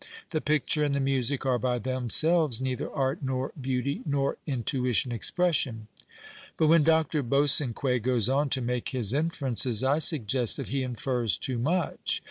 The picture and the music are by themselves neither art nor beauty nor intuition expression." But when Dr. Bosanquet goes on to make his inferences, I suggest that he infers too much.